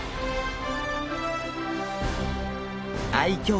愛きょう